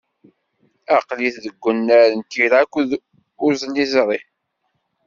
Aql-it deg unnar n tira akked usliẓri.